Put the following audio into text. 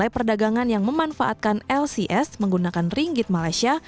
perdagangan yang memanfaatkan lcs menggunakan ringgit malaysia